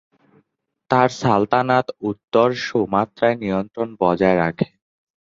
তার সালতানাত উত্তর সুমাত্রায় নিয়ন্ত্রণ বজায় রাখে।